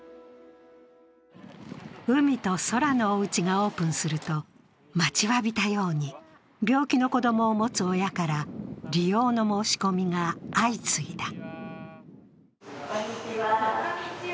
うみとそらのおうちがオープンすると待ちわびたように病気の子供を持つ親から利用の申し込みが相次いだ。